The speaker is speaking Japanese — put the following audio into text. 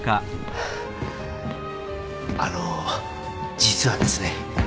あの実はですね。